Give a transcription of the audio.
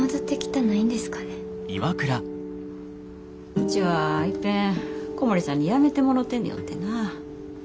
うちはいっぺん小森さんに辞めてもろてんねよってな。